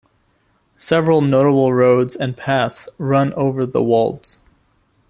Several notable roads and paths run over the Wolds.